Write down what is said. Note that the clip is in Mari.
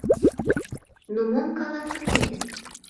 — Ну, мом каласынет?